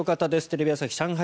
テレビ朝日上海